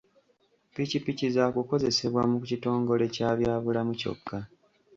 Ppikipiki zaakukozesebwa mu kitongole kya byabulamu kyokka.